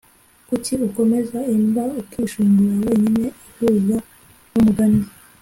kuki ukomeza imbwa ukishongora wenyine? ihuza n'umugani